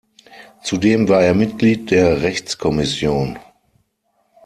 Zudem war er Mitglied der Rechtskommission.